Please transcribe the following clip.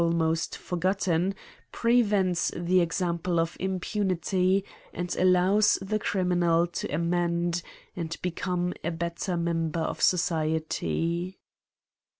113 almost forgotten, prevents the example of impu nity, and allows the criminal to amend, and be come a better member of society.